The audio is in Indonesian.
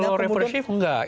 kalau represif enggak